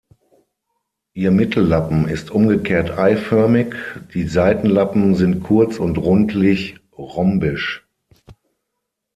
Ihr Mittellappen ist umgekehrt eiförmig, die Seitenlappen sind kurz und rundlich-rhombisch.